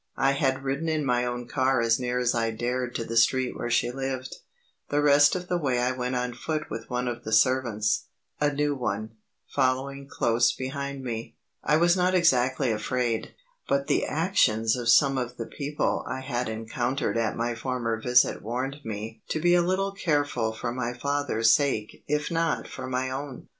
I had ridden in my own car as near as I dared to the street where she lived; the rest of the way I went on foot with one of the servants a new one following close behind me. I was not exactly afraid, but the actions of some of the people I had encountered at my former visit warned me to be a little careful for my father's sake if not for my own.